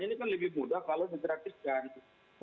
ini kan lebih mudah kalau digratiskan